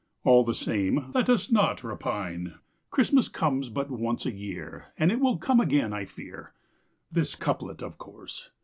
All the same, Let us not repine: Christmas comes but once a year, And it will come again, I fear. This couplet, of course.